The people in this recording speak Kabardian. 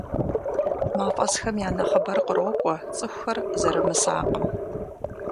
Мафӏэсхэм я нэхъыбэр кърокӏуэ цӏыхухэр зэрымысакъым.